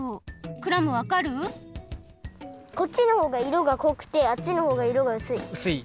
こっちのほうがいろがこくてあっちのほうがいろがうすい。